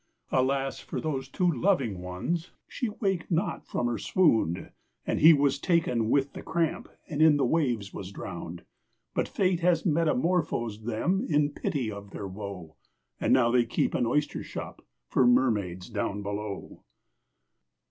Alas for those two loving ones! she waked not from her swound, And he was taken with the cramp, and in the waves was drowned; But Fate has metamorphosed them, in pity of their woe, And now they keep an oyster shop for mermaids down below.